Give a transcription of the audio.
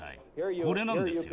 これなんですよ。